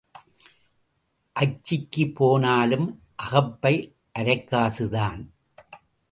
அச்சிக்குப் போனாலும் அகப்பை அரைக்காசுதான்.